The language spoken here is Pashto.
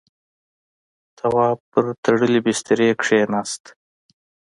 تواب پر تړلی بسترې کېناست.